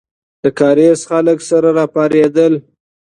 د کارېز خلک سره راپارېدل.